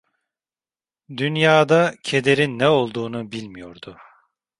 Dünyada kederin ne olduğunu bilmiyordu.